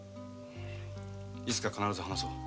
いつか必ず話そう。